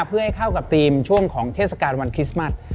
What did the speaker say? เพื่อให้เข้ากับทีมช่วงของเทศกาลวันคริสต์มัส